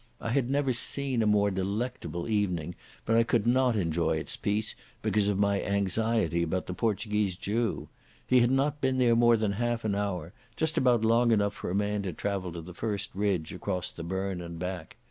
I had never seen a more delectable evening, but I could not enjoy its peace because of my anxiety about the Portuguese Jew. He had not been there more than half an hour, just about long enough for a man to travel to the first ridge across the burn and back.